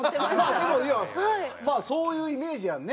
でもまあそういうイメージやんね。